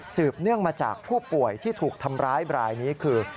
เนื่องมาจากผู้ป่วยที่ถูกทำร้ายบรายนี้คือ